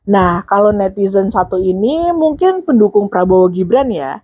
nah kalau netizen satu ini mungkin pendukung prabowo gibran ya